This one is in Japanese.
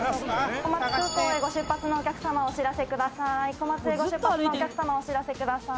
小松へご出発のお客様お知らせください。